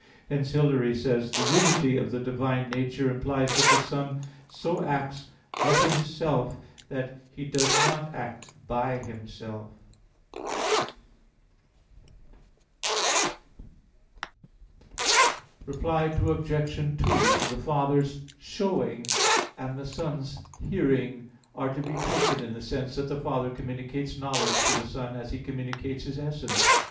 Hence, Hilary says (De Trin. ix), "The unity of the divine nature implies that the Son so acts of Himself [per se], that He does not act by Himself [a se]." Reply Obj. 2: The Father's "showing" and the Son's "hearing" are to be taken in the sense that the Father communicates knowledge to the Son, as He communicates His essence.